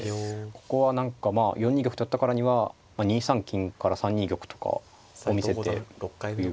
ここは何かまあ４二玉と寄ったからには２三金から３二玉とかを見せてという。